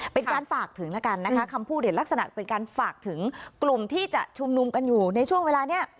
เป็นการฝากถึงแล้วกันนะคะคำพูดเนี่ยลักษณะเป็นการฝากถึงกลุ่มที่จะชุมนุมกันอยู่ในช่วงเวลานี้